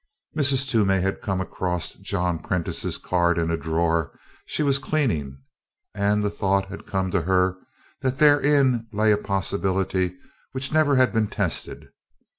Mrs. Toomey had come across John Prentiss's card in a drawer she was cleaning and the thought had come to her that therein lay a possibility which never had been tested.